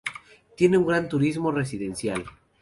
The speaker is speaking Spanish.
Tiene un gran turismo residencial.